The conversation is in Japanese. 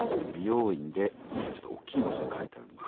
ちょっと大きい文字で書いてあるんで。